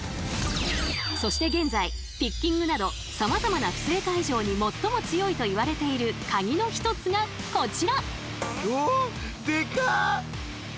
そして現在ピッキングなどさまざまな不正解錠にもっとも強いといわれているカギの一つがこちら！